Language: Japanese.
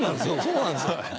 そうなんですよ。